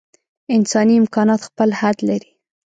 انساني امکانات خپل حد لري.